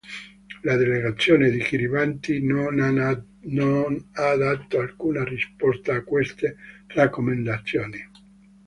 La delegazione di Kiribati non ha dato alcuna risposta a queste raccomandazioni.